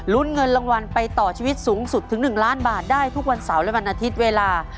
เงินรางวัลไปต่อชีวิตสูงสุดถึง๑ล้านบาทได้ทุกวันเสาร์และวันอาทิตย์เวลา